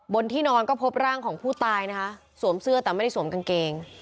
บนที่นอนก็พบร่างของผู้ตายนะคะสวมเสื้อแต่ไม่ได้สวมกางเกง